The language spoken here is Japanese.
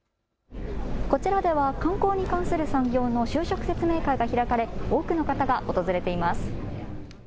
こちらでは観光に関する産業の就職説明会が開かれ多くの方が訪れています。